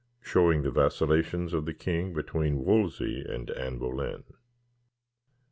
Showing the Vacillations of the King between Wolsey and Anne Boleyn.